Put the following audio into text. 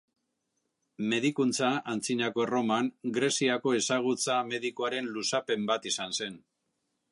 Medikuntza, Antzinako Erroman, Greziako ezagutza medikuaren luzapen bat izan zen.